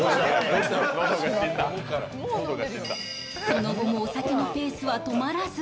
その後もお酒のペースは止まらず